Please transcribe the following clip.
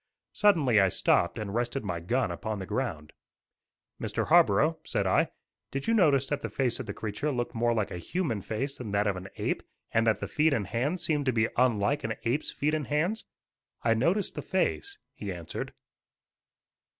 Suddenly I stopped and rested my gun upon the ground. "Mr. Harborough," said I, "did you notice that the face of the creature looked more like a human face than that of an ape, and that the feet and hands seemed to be unlike an ape's feet and hands?" "I noticed the face," he answered.